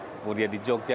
kemudian di jogja